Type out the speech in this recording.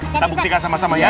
kita buktikan sama sama ya